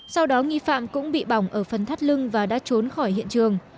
sau đó nghi phạm cũng bị bỏng ở phần thắt lưng và đã trốn khỏi hiện trường